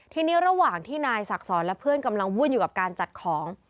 ทีนี้ระหว่างที่นายศักดิ์สอนและเพื่อนกำลังวุ่นอยู่กับการจัดของ